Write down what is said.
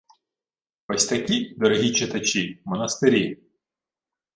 Ось такі, дорогі читачі, монастирі!